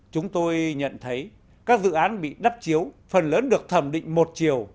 chúng tôi nhận thấy các dự án bị đắp chiếu phần lớn được thẩm định một chiều